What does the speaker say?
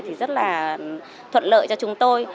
thì rất là thuận lợi cho chúng tôi